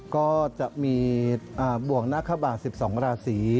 ก็จะมีบ่วงหน้าขบาต๑๒ราศี